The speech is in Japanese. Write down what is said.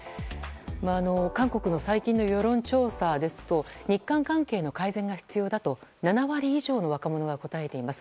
韓国の最近の世論調査ですと日韓関係の改善が必要だと７割以上の若者が答えています。